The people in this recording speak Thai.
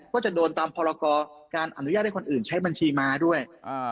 ก็จะโดนตามพรกรการอนุญาตให้คนอื่นใช้บัญชีมาด้วย